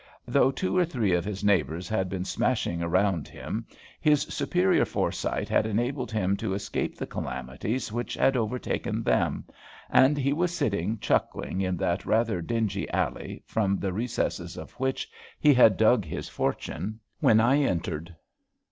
Though two or three of his neighbours had been smashing around him, his superior foresight had enabled him to escape the calamities which had overtaken them; and he was sitting chuckling in that rather dingy alley, from the recesses of which he had dug his fortune, when I entered.